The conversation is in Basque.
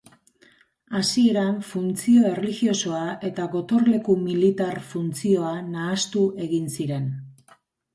Hasieran funtzio erlijiosoa eta gotorleku militar funtzioa nahastu egin ziren.